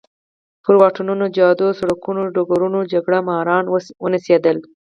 پر واټونو، جادو، سړکونو او ډګرونو جګړه ماران ونڅېدل.